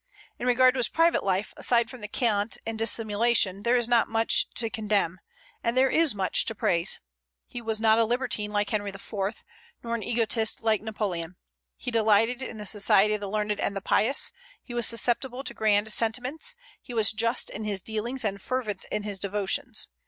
In regard to his private life, aside from cant and dissimulation, there is not much to condemn, and there is much to praise. He was not a libertine like Henry IV., nor an egotist like Napoleon. He delighted in the society of the learned and the pious; he was susceptible to grand sentiments; he was just in his dealings and fervent in his devotions.